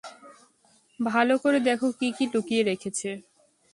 ভালো করে দেখো কী কী লুকিয়ে রেখেছে।